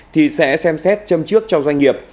thì sẽ xem xét châm trước cho doanh nghiệp